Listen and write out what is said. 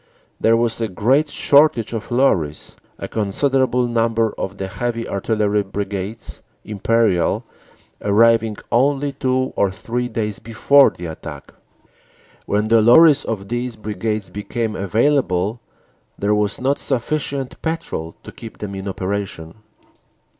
There was a great shortage of lorries, a considerable number of the heavy Artillery Brigades (Imperial) arriving only two or three days before the attack. When the lorries of these brigades became available there was not sufficient petrol to keep them in operation.